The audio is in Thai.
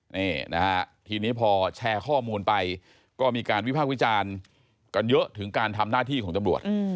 นี่นะฮะทีนี้พอแชร์ข้อมูลไปก็มีการวิภาควิจารณ์กันเยอะถึงการทำหน้าที่ของตำรวจ